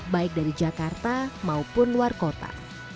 baik dari jakarta maupun luar kota